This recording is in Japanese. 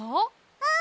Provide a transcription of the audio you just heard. うん！